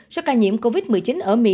do ca nhiễm covid một mươi chín ở mỹ